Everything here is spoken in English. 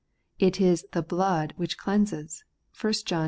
It is the hlood which cleanses (1 John i.